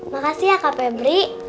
makasih ya kak febri